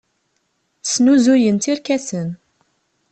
Snuzuyent irkasen.